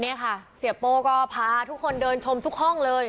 นี่ค่ะเสียโป้ก็พาทุกคนเดินชมทุกห้องเลย